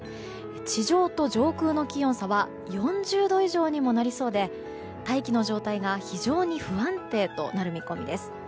地上と上空の気温差は４０度以上にもなりそうで大気の状態が非常に不安定となる見込みです。